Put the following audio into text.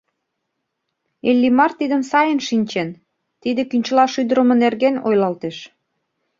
Иллимар тидым сайын шинчен: тиде кӱнчыла шӱдырымӧ нерген ойлалтеш.